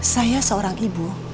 saya seorang ibu